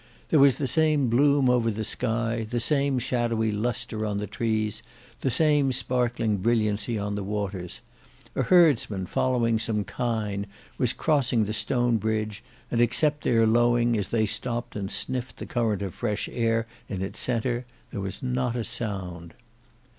There was the same bloom over the sky, the same shadowy lustre on the trees, the same sparkling brilliancy on the waters. A herdsman following some kine was crossing the stone bridge, and except their lowing as they stopped and sniffed the current of fresh air in its centre, there was not a sound.